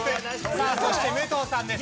さあそして武藤さんです。